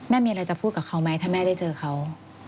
มีอะไรจะพูดกับเขาไหมถ้าแม่ได้เจอเขา